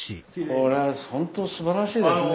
これはほんとすばらしいですね